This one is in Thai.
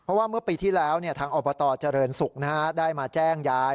เพราะว่าเมื่อปีที่แล้วทางอบตเจริญศุกร์ได้มาแจ้งยาย